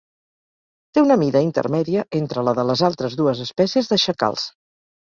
Té una mida intermèdia entre la de les altres dues espècies de xacals.